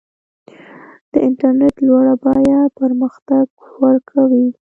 د انټرنیټ لوړه بیه پرمختګ ورو کوي.